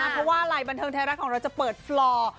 เพราะว่าอะไรบันเทิงไทยรัฐของเราจะเปิดฟลอร์